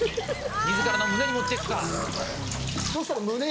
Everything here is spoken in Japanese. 自らの胸に持っていくか。